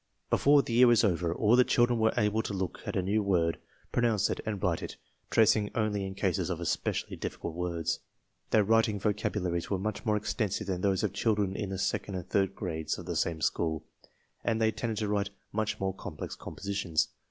Before the year was over all the children were able to look at a new word, pronounce it, and write it, trac ing only in cases of especially difficult words. Their writing vocabularies were much more extensive than those of children in the second and third grades of the same school, and they tended to write much more complex compositions.